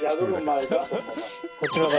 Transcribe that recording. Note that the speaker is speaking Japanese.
こちらが？